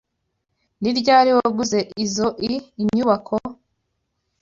Ni ryari waguze izoi nyubako?